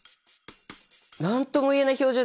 何とも言えない表情ですよ。